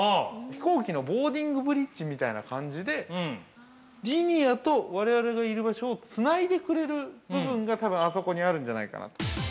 飛行機のボーディングブリッジみたいな感じでリニアと我々のいる場所をつないでくれる部分が多分あそこにあるんじゃないかなと。